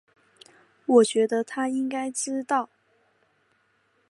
我觉得他应该知道